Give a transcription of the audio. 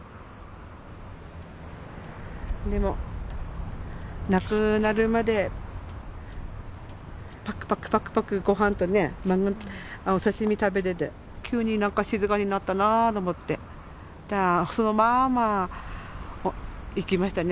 でも亡くなるまでパクパクパクパクごはんとねお刺身食べてて急に何か静かになったなと思ってじゃあそのまま逝きましたね。